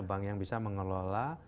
bank yang bisa mengelola